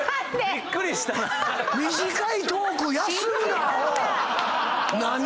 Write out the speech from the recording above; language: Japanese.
びっくりした今。